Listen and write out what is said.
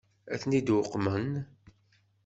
Ad ten-id-uqmen?